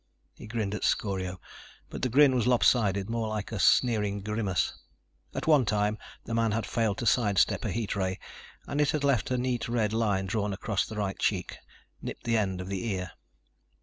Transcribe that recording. He grinned at Scorio, but the grin was lopsided, more like a sneering grimace. At one time the man had failed to side step a heat ray and it had left a neat red line drawn across the right cheek, nipped the end of the ear.